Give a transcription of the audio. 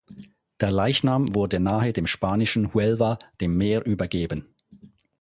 Der Leichnam wurde nahe dem spanischen Huelva dem Meer übergeben.